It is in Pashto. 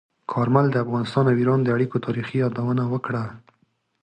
کارمل د افغانستان او ایران د اړیکو تاریخي یادونه وکړه.